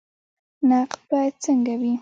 نقد باید څنګه وي؟